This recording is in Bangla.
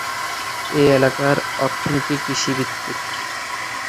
এই এলাকার অর্থনীতি কৃষি ভিত্তিক।